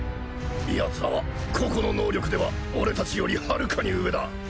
ヤツらは個々の能力では俺たちよりはるかに上だ。